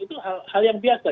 itu hal yang biasa